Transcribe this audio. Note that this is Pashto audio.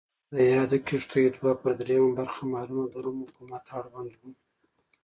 د یادو کښتیو دوه پر درېیمه برخه مالونه د روم حکومت اړوند و.